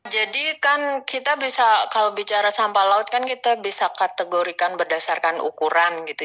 jadi kan kita bisa kalau bicara sampah laut kan kita bisa kategorikan berdasarkan ukuran gitu